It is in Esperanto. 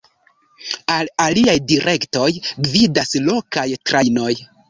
Al aliaj direktoj gvidas lokaj trajnoj.